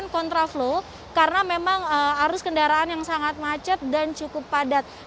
namun kontraflownya tidak terlalu jauh karena memang arus kendaraan yang sangat macet dan cukup padat